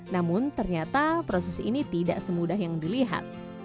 namun ternyata proses ini tidak semudah yang dilihat